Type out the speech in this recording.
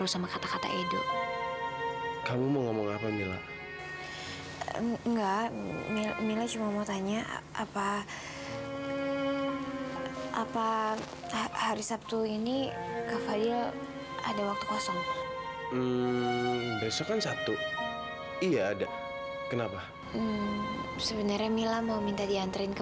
sampai jumpa di video selanjutnya